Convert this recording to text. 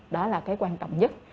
đó là cái quan trọng